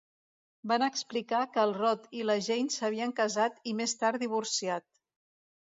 Van explicar que el Rod i la Jane s'havien casat i, més tard, divorciat.